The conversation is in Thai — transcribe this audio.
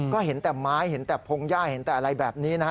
ก็เห็นแต่ไม้เห็นแต่พงหญ้าเห็นแต่อะไรแบบนี้นะฮะ